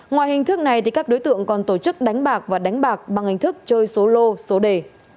ngoài hình thức này các đối tượng còn tổ chức đánh bạc và đánh bạc bằng hình thức chơi số lô số đề